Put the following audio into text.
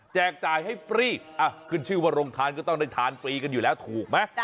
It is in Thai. จ่ายให้ฟรีขึ้นชื่อว่าโรงทานก็ต้องได้ทานฟรีกันอยู่แล้วถูกไหม